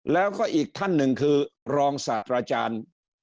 แล้วก็อีกท่านหนึ่งคือรองศาสตราจารย์